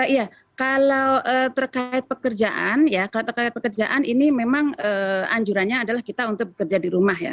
iya kalau terkait pekerjaan ya terkait pekerjaan ini memang anjurannya adalah kita untuk bekerja di rumah ya